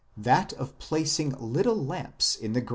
that of placing little lamps in graves.